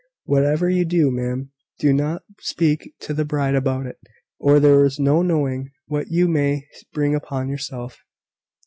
Whatever you do, ma'am, do not speak to the bride about it, or there is no knowing what you may bring upon yourself."